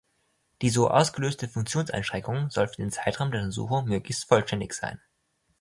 Die so ausgelöste Funktionseinschränkung soll für den Zeitraum der Untersuchung möglichst vollständig sein.